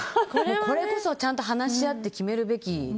これこそちゃんと話し合って決めるべき。